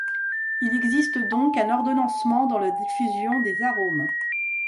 Il existe donc un ordonnancement dans la diffusion des arômes.